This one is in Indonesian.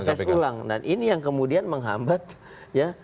proses ulang dan ini yang kemudian menghambat ya